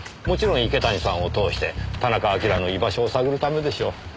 もちろん池谷さんを通して田中晶の居場所を探るためでしょう。